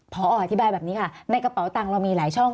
พออธิบายแบบนี้ค่ะในกระเป๋าตังค์เรามีหลายช่อง